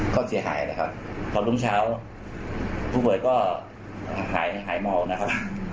ก็หายเมานะครับ